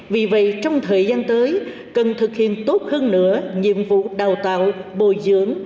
vì vậy trong thời gian tới cần thực hiện tốt hơn nữa nhiệm vụ đào tạo bồi dưỡng